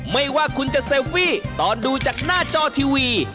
ไม่ว่าคุณจะเซลฟี่ตอนดูจากหน้าจอทีวี